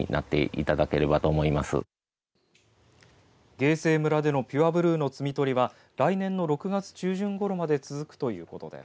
芸西村でのピュアブルーの摘み取りは来年の６月中旬ごろまで続くということです。